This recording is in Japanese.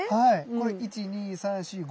これ１２３４５！